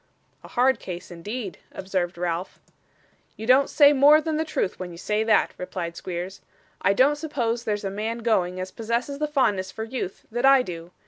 'A hard case, indeed,' observed Ralph. 'You don't say more than the truth when you say that,' replied Squeers. 'I don't suppose there's a man going, as possesses the fondness for youth that I do.